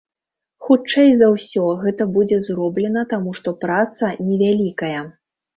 Хутчэй за ўсё, гэта будзе зроблена, таму што праца невялікая.